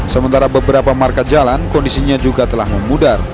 sementara beberapa marka jalan kondisinya juga telah memudar